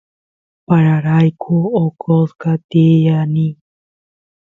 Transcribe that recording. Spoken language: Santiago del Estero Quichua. pararayku oqosqa tiyani